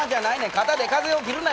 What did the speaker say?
肩で風を切るなよ。